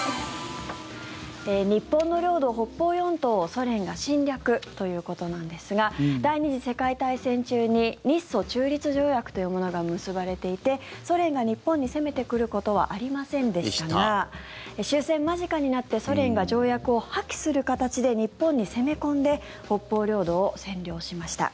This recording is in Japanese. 日本の領土、北方四島をソ連が侵略ということなんですが第２次世界大戦中に日ソ中立条約というものが結ばれていてソ連が日本に攻めてくることはありませんでしたが終戦間近になってソ連が条約を破棄する形で日本に攻め込んで北方領土を占領しました。